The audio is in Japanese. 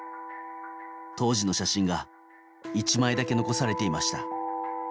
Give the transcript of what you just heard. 当時の写真が１枚だけ残されていました。